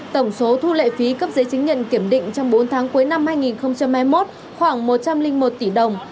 tổng số thu lệ phí cấp giấy chứng nhận kiểm định trong bốn tháng cuối năm hai nghìn hai mươi một khoảng một trăm linh một tỷ đồng